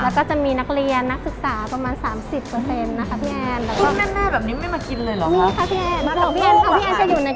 แล้วก็จะมีนักเรียนนักศึกษาประมาณ๓๐นะคะพี่แอน